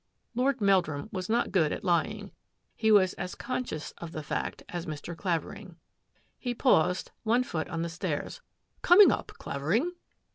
Lord Meldrum was not good at lying. He as conscious of the fact as Mr. Clavering. He paused, one foot on the stairs. " Co up, Clavering?